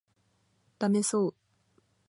ダメそう